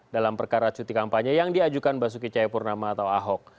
dalam perkara cuti kampanye yang diajukan basuki cahayapurnama atau ahok